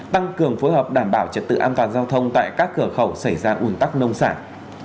tăng cường phối hợp đảm bảo trật tự an toàn giao thông tại các cửa khẩu xảy ra ủn tắc nông sản